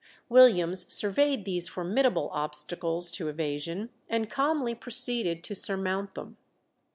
Williams surveyed these formidable obstacles to evasion, and calmly proceeded to surmount them.